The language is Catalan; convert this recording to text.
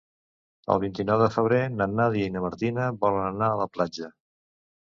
El vint-i-nou de febrer na Nàdia i na Martina volen anar a la platja.